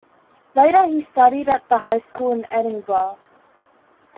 Later he studied at the High School in Edinburgh.